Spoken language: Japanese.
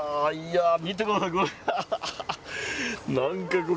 見てください、これ。